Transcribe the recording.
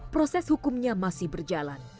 proses hukumnya masih berjalan